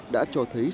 đã cho thấy sự đáng sợ